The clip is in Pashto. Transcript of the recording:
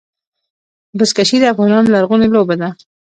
بزکشي د افغانانو لرغونې لوبه ده.